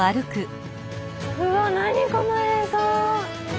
うわ何この映像！